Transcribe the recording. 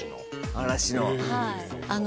嵐の。